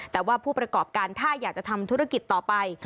แต่ว่าผู้ประกอบการถ้าอยากจะทำธุรกิจต่อไป